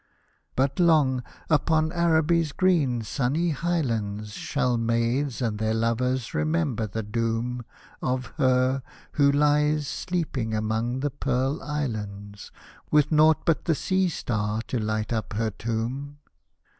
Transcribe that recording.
But long, upon Araby'S green sunny highlands, Shall maids and their lovers remember the doom Of her, who Hes sleeping among the Pearl Islands, With nought but the sea star to light up her tomb.